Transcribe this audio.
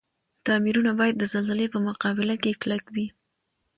تعميرونه باید د زلزلي په مقابل کي کلک وی.